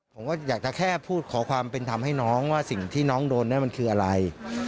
ผมก็อยากจะแค่พูดขอความเป็นธรรมให้น้องว่าสิ่งที่น้องโดนนั่นมันคืออะไร